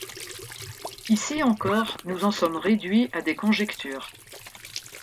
Ici encore, nous en sommes réduits à des conjectures.